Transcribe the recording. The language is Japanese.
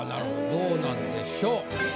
どうなんでしょう？